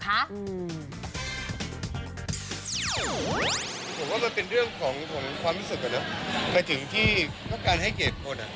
ผมว่ามันเป็นเรื่องของความรู้สึกอะเนอะไปถึงที่ต้องการให้เกียรติคน